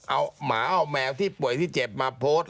เอาหมาเอาแมวที่ป่วยที่เจ็บมาโพสต์